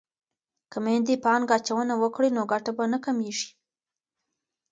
که میندې پانګه اچونه وکړي نو ګټه به نه کمیږي.